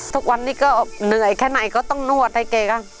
ทุกวันนี้ก็เหนื่อยแค่ไหนก็ต้องนวดให้แกก็